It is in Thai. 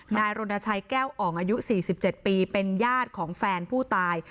นายรณชัยแก้วอ่องอายุ๔๗ปีเป็นญาติของแฟนผู้ตาย